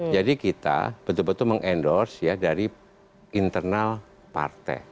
jadi kita betul betul meng endorse ya dari internal partai